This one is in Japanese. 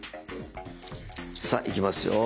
さあいきますよ。